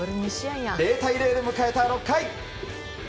０対０で迎えた６回。